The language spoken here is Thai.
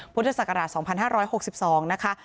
พุทธศักราช๒๕๖๒นะคะ